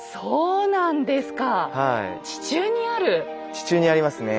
地中にありますね。